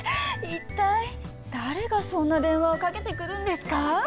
一体誰がそんな電話をかけてくるんですか？